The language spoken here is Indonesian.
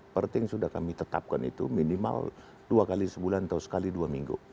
perting sudah kami tetapkan itu minimal dua kali sebulan atau sekali dua minggu